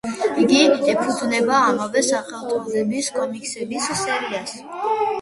იგი ეფუძნება ამავე სახელწოდების კომიქსების სერიას.